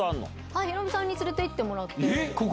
はいヒロミさんに連れて行ってもらって。